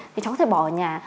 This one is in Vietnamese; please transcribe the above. thì cháu có thể bỏ ở nhà